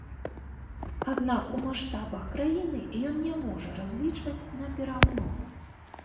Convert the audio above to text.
Аднак у маштабах краіны ён не можа разлічваць на перамогу.